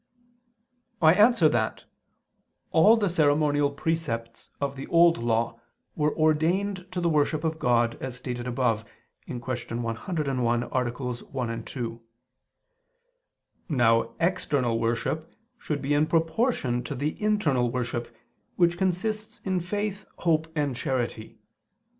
I answer that, All the ceremonial precepts of the Old Law were ordained to the worship of God as stated above (Q. 101, AA. 1, 2). Now external worship should be in proportion to the internal worship, which consists in faith, hope and charity.